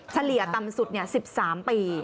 เฉลี่ยต่ำสุด๑๓ปี